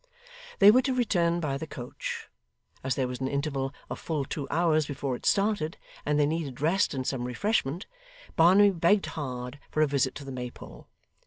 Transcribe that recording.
They were to return by the coach. As there was an interval of full two hours before it started, and they needed rest and some refreshment, Barnaby begged hard for a visit to the Maypole.